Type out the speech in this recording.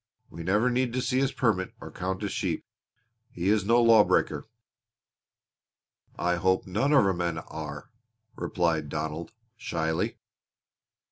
We never need to see his permit or count his sheep. He is no lawbreaker!" "I hope none of our men are," replied Donald, shyly.